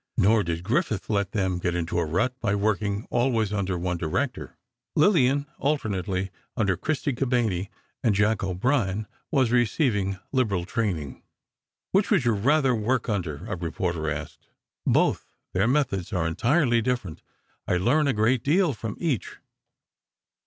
Nor did Griffith let them get into a rut by working always under one director. Lillian, alternately under Christy Cabanné and Jack O'Brien, was receiving liberal training. "Which would you rather work under?" a reporter asked. "Both. Their methods are entirely different; I learn a great deal from each."